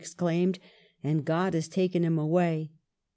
97 exclaimed, " and God has taken him away